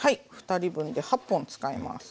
２人分で８本使います。